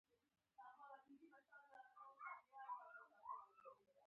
د هغوی ټولنیز جوړښت د سلسلهمراتب نظام ته ورته دی.